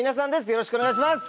よろしくお願いします！